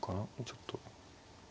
ちょっと。